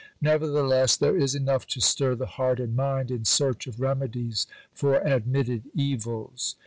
Nevertheless there is enough to stir the heart and mind in search of remedies for admitted evils.